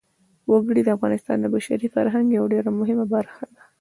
وګړي د افغانستان د بشري فرهنګ یوه ډېره مهمه برخه ده.